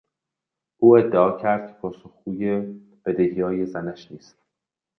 او ادعا کرد که پاسخگوی بدهیهای زنش نیست.